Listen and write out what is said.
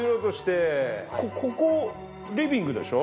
ここリビングでしょ？